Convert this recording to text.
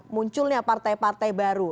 munculnya partai partai baru